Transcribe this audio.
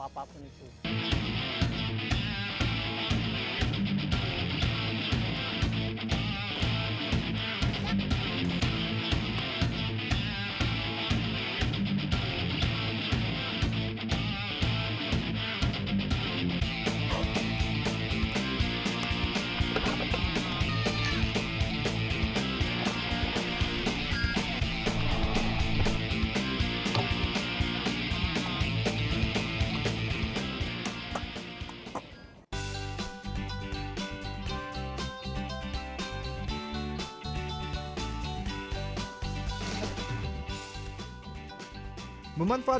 apapun itu hai hai